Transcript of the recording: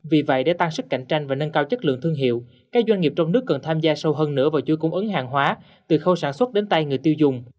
vì vậy để tăng sức cạnh tranh và nâng cao chất lượng thương hiệu các doanh nghiệp trong nước cần tham gia sâu hơn nữa vào chuỗi cung ứng hàng hóa từ khâu sản xuất đến tay người tiêu dùng